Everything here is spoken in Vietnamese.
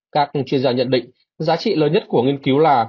các chuyên gia nhận định giá trị lớn nhất của nghiên cứu là